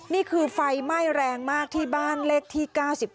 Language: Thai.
นี่คือไฟไหม้แรงมากที่บ้านเลขที่๙๙